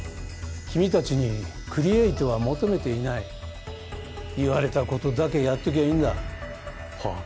君達にクリエイトは求めていない言われたことだけやっときゃいいんだはあ？